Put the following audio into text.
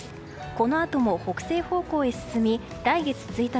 この後も北西方向へ進み来月１日